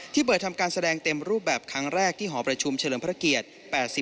เปิดทำการแสดงเต็มรูปแบบครั้งแรกที่หอประชุมเฉลิมพระเกียรติ